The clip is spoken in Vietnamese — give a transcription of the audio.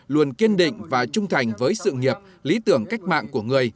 luôn kiên định và trung thành với sự nghiệp lý tưởng cách mạng của người